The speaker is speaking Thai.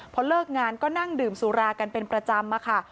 พอเลิกงานก็นั่งดื่มสุรากันเป็นประจำค่ะ